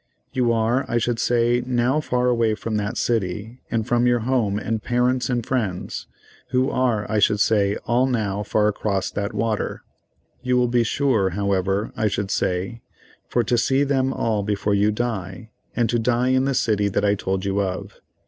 You are, I should say, now far away from that city, and from your home, and parents, and friends, who are, I should say, all now far across the water. You will be sure, however, I should say, for to see them all before you die, and to die in the city that I told you of.